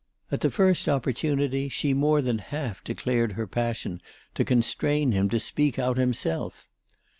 At the first opportunity she more than half declared her passion to constrain him to speak out himself.